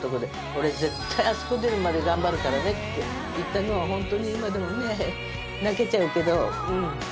「俺絶対あそこ出るまで頑張るからね」って言ったのは本当に今でもね泣けちゃうけど。